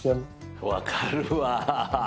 わかるわ。